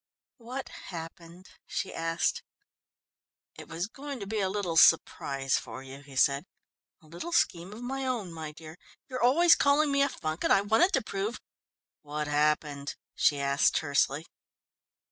"What happened?" she asked. "It was going to be a little surprise for you," he said. "A little scheme of my own, my dear; you're always calling me a funk, and I wanted to prove " "What happened?" she asked tersely.